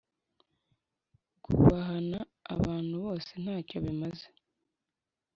gubahana abantu bose ntacyo bimaze